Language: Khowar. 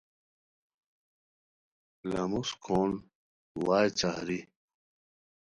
لموس کھون ڑائے چہاری